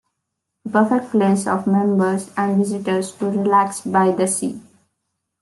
A perfect place for members and visitors to relax by the sea.